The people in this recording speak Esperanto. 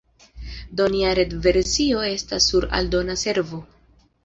Do nia retversio estas nur aldona servo.